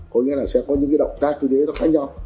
có nghĩa là sẽ có những cái động tác tư thế nó khác nhau